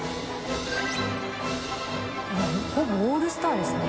ほぼオールスターですね。